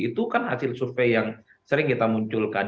itu kan hasil survei yang sering kita munculkan